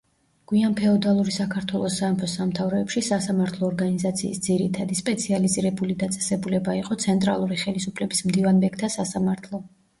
გვიანფეოდალური საქართველოს სამეფო-სამთავროებში სასამართლო ორგანიზაციის ძირითადი, სპეციალიზირებული დაწესებულება იყო ცენტრალური ხელისუფლების მდივანბეგთა სასამართლო.